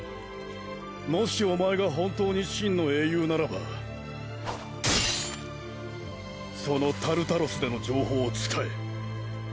もしおまえが本当に真の英雄ならばそのタルタロスでの情報を使え。